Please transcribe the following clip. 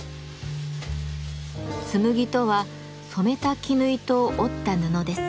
紬とは染めた絹糸を織った布です。